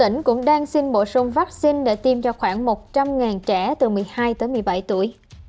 địa phương này đang đạt được tiến độ tiêm vaccine rất nhanh khi tỉ lệ người dân được tiêm cao